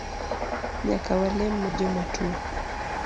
Nyaka walem ne jomatuo